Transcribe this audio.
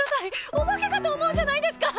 お化けかと思うじゃないですか！